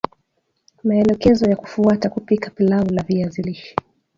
Maelekezo ya kufuata kupika pilau la viazi lishe